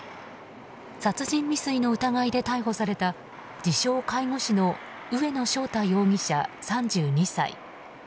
殺人未遂の疑いで逮捕された自称・介護士の上野翔太容疑者、３２歳。